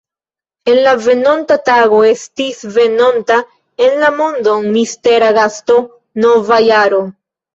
En la venonta tago estis venonta en la mondon mistera gasto: nova jaro.